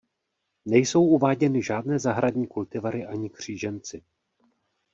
Nejsou uváděny žádné zahradní kultivary ani kříženci.